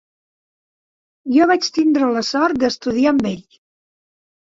Jo vaig tindre la sort d'estudiar amb ell.